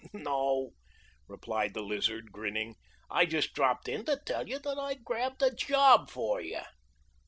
"No," replied the Lizard, grinning. "I just dropped in to tell you that I grabbed a job for you."